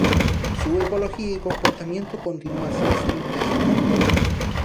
Su ecología y comportamiento continúa sin ser investigado.